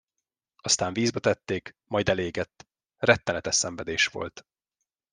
Aztán vízbe tették, majd elégett: rettenetes szenvedés volt.